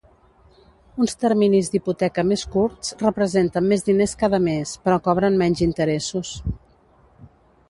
Uns terminis d"hipoteca més curts representen més diners cada mes, però cobren menys interessos.